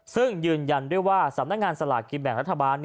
ซึ่งยืนยันด้วยว่าสำนักงานสลากกินแบ่งรัฐบาล